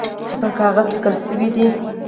چي پر کاغذ لیکل شوي دي .